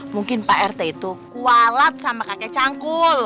mungkin pak rt itu kualat sama kakek cangkul